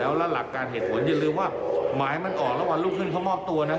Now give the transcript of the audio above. อย่าลืมว่าหมายมันออกแล้ววันลุกขึ้นเขามอบตัวนะ